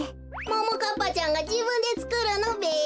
ももかっぱちゃんがじぶんでつくるのべ？